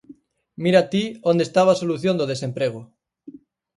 Mira ti onde estaba a solución do desemprego.